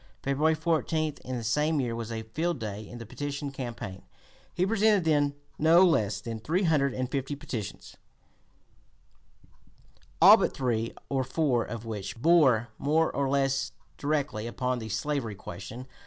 February 14, in the same year, was a field day in the petition campaign: he presented then no less than three hundred and fifty petitions, all but three or four of which bore more or less directly upon the slavery question.